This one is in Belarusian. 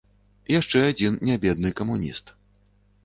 Яшчэ адзін нябедны камуніст.